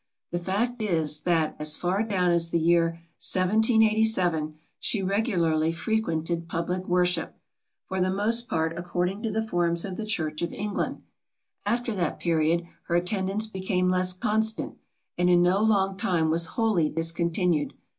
The fact is, that, as far down as the year 1787, she regularly frequented public worship, for the most part according to the forms of the church of England. After that period her attendance became less constant, and in no long time was wholly discontinued.